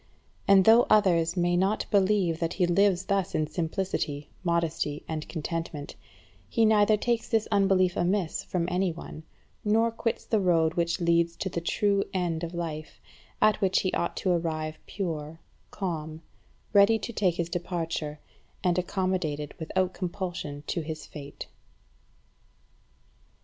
And though others may not believe that he lives thus in simplicity, modesty, and contentment, he neither takes this unbelief amiss from any one, nor quits the road which leads to the true end of life, at which he ought to arrive pure, calm, ready to take his departure, and accommodated without compulsion to his fate.